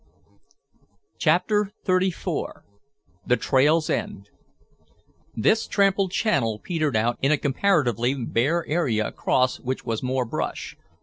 CHAPTER XXXIV THE TRAIL'S END This trampled channel petered out in a comparatively bare area across which was more brush.